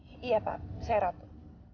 iya pak saya ratu